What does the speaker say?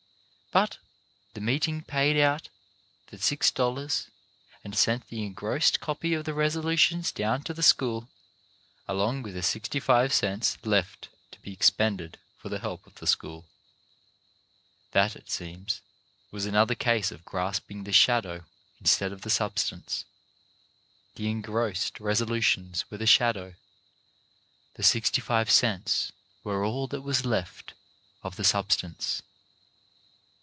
But the meeting paid out the $6.00, and sent the engrossed copy of the reso lutions down to the school, along with the sixty five cents left to be expended for the help of the school. That, it seemed to me, was another case of grasping the shadow instead of the substance. The engrossed resolutions were the shadow; the sixty five cents were all that was left of the sub stance.